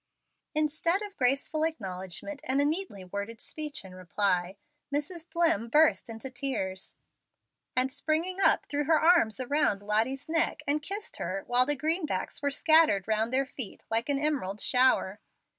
Instead of graceful acknowledgment, and a neatly worded speech in reply, Mrs. Dlimm burst into tears, and springing up threw her arms around Lottie's neck and kissed her, while the greenbacks were scattered round their feet like an emerald shower.